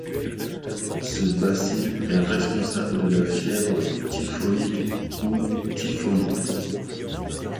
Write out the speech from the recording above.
Ce bacille est responsable de la fièvre typhoïde ou typhoïde.